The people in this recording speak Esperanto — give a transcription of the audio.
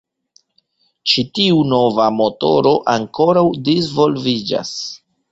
Ĉi tiu nova motoro ankoraŭ disvolviĝas.